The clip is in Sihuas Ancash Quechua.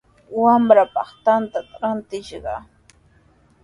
Wamraapaq tantata rantishqaa.